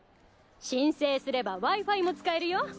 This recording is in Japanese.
申請すればＷｉ−Ｆｉも使えるよ！